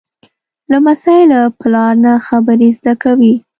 لمسی له پلار نه خبرې زده کوي.